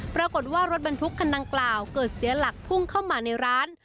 ปรากฏว่ารถบรรทุกคันดังกล่าวเกิดเสียหลักพุ่งเข้ามาในร้าน